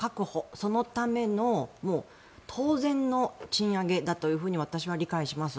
そのための当然の賃上げだというふうに私は理解します。